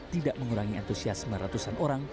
tidak mengurangi antusiasme ratusan orang